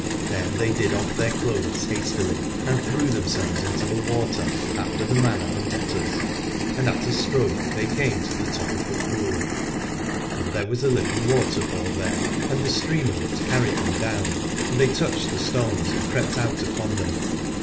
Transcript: Then they did off their clothes hastily and threw themselves into the water after the manner of otters, and at a stroke they came to the top of the pool. And there was a little waterfall there, and the stream of it carried them down, and they touched the stones and crept out upon them.